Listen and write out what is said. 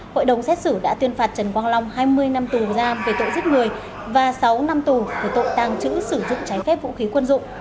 hội đồng xét xử đã tuyên phạt trần quang long hai mươi năm tù giam về tội giết người và sáu năm tù về tội tàng trữ sử dụng trái phép vũ khí quân dụng